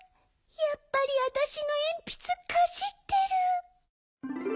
やっぱりわたしのえんぴつかじってる。